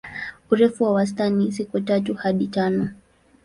Urefu wa wastani siku tatu hadi tano.